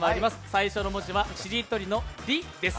最初の文字はしりとりの「り」です。